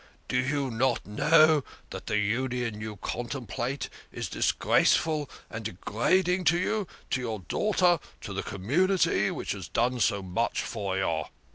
" Do you not know that the union you contemplate is dis graceful and degrading to you, to your daughter, and to the community which has done so much for you ?